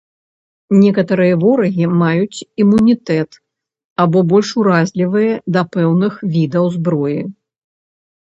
Некаторыя ворагі маюць імунітэт або больш уразлівыя да пэўных відаў зброі.